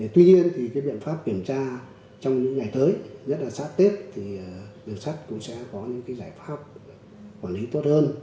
tuy nhiên cái biện pháp kiểm tra trong những ngày tới nhất là sát tết thì đường sắt cũng sẽ có những cái giải pháp quản lý tốt hơn